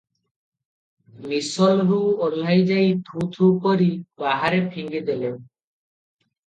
ମିସଲରୁ ଓହ୍ଲାଇ ଯାଇ ଥୁ ଥୁ କରି ବାହାରେ ଫିଙ୍ଗି ଦେଲେ ।